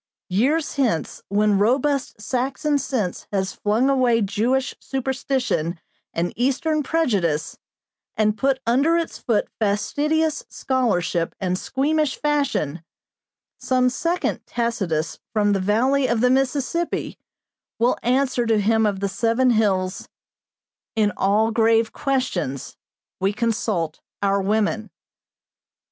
Years hence, when robust Saxon sense has flung away Jewish superstition and Eastern prejudice, and put under its foot fastidious scholarship and squeamish fashion, some second Tacitus from the valley of the Mississippi will answer to him of the Seven Hills: 'In all grave questions, we consult our women.'